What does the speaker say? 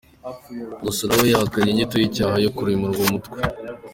Gusa nawe yahakanye inyito y’icyaha yo kurema uwo mutwe.